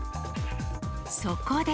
そこで。